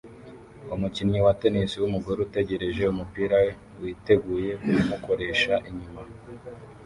Umukinnyi wa tennis wumugore utegereje umupira witeguye kumukoresha inyuma